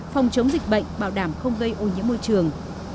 phòng chống dịch bệnh bảo đảm không gây ô nhiễm môi trường